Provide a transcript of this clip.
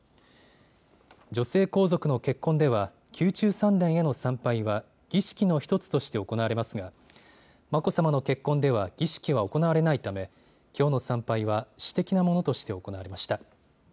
女性皇族の結婚では宮中三殿への参拝は儀式の１つとして行われますが眞子さまの結婚では儀式は行われないためきょうの参拝は私的なものとして行われました。